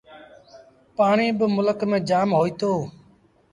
پآڻيٚ با ملڪ ميݩ جآم هوئيٚتو۔